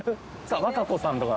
和歌子さんとか。